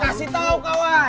eh kasih tau kawan